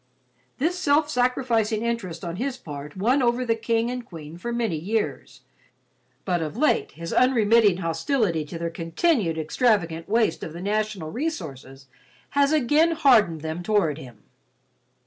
This self sacrificing interest on his part won over the King and Queen for many years, but of late his unremitting hostility to their continued extravagant waste of the national resources has again hardened them toward him."